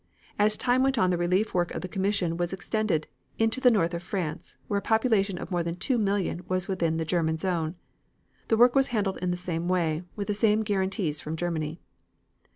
As time went on the relief work of the Commission was extended into the north of France, where a population of more than 2,000,000 was within the German zone. The work was handled in the same way, with the same guarantees from Germany.